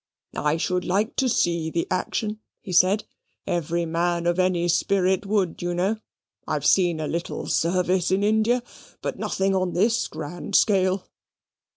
"I should like to see the action," he said. "Every man of any spirit would, you know. I've seen a little service in India, but nothing on this grand scale."